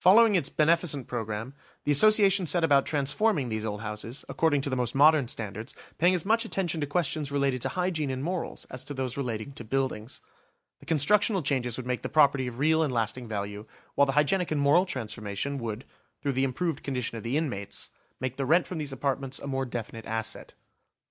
Following its beneficent programme, the Association set about transforming these old houses, according to the most modern standards, paying as much attention to questions related to hygiene and morals as to those relating to buildings. The constructional changes would make the property of real and lasting value, while the hygienic and moral transformation would, through the improved condition of the inmates, make the rent from these apartments a more definite asset.